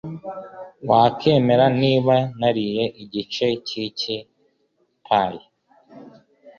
Wakwemera niba nariye igice cyiyi pie?